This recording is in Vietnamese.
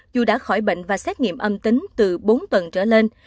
dù đã khỏi bệnh và xét nghiệm âm tính từ bốn tuần trở lên